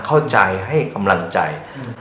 เข้าใจให้กำลังใจ